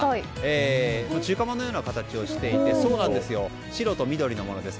中華まんのような形をしていて白と緑のものです。